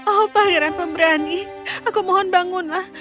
oh pangeran pemberani aku mohon bangunlah